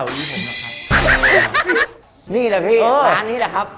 ดีแหละร้านนี้เลยครับ